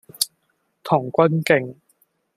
童軍徑